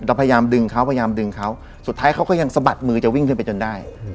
เราพยายามดึงเขาพยายามดึงเขาสุดท้ายเขาก็ยังสะบัดมือจะวิ่งขึ้นไปจนได้